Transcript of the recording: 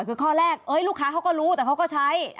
คือข้อแรกลูกค้าเขาก็รู้แต่เขาก็ใช้